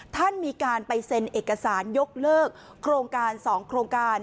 ท่านมีการไปเซ็นเอกสารยกเลิกโครงการ๒โครงการ